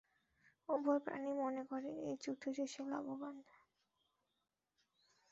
উভয় প্রাণীই মনে করে এই চুক্তিতে সে লাভবান।